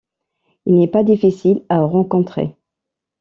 Il n’est pas difficile à rencontrer.